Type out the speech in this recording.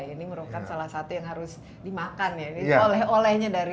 ini merupakan salah satu yang harus dimakan ya